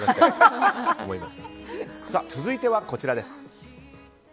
続いてはこちらです。